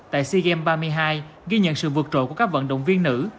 tại sea games ba mươi hai ghi nhận sự vượt trội của các vận động viên nữ